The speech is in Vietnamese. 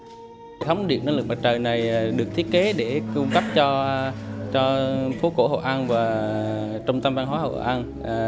hệ thống điện năng lượng mặt trời này được thiết kế để cung cấp cho phố cổ hội an và trung tâm văn hóa hội an